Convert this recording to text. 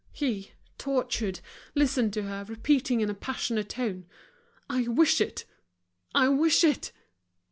He, tortured, listened to her, repeating in a passionate tone: "I wish it. I wish it!"